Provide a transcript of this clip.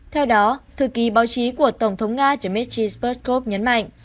theo đó thư ký báo chí của tổng thống nga dmitry perthov nhấn mạnh